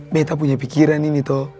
meta punya pikiran ini tuh